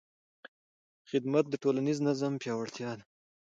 خدمت د ټولنیز نظم پیاوړتیا ده.